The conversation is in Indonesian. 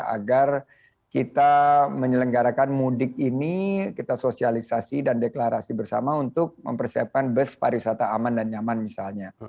agar kita menyelenggarakan mudik ini kita sosialisasi dan deklarasi bersama untuk mempersiapkan bus pariwisata aman dan nyaman misalnya